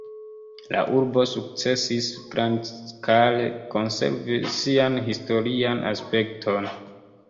La urbo sukcesis grandskale konservi sian historian aspekton.